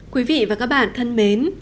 quý vị và các bạn thân mến